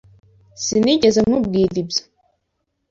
Sinigeze nkubwira ibyo.